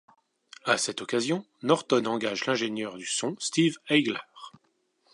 À cette occasion, Norton engage l'ingénieur du son Steve Haigler.